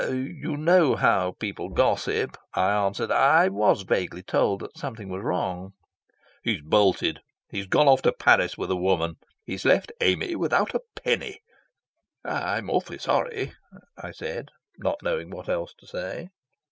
"You know how people gossip," I answered. "I was vaguely told that something was wrong." "He's bolted. He's gone off to Paris with a woman. He's left Amy without a penny." "I'm awfully sorry," I said, not knowing what else to say.